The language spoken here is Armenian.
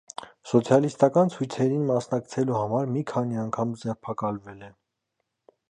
Սոցիալիստական ցույցերին մասնակցելու համար մի քանի անգամ ձերբակալվել է։